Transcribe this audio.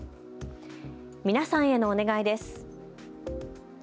皆さんへのお願いです。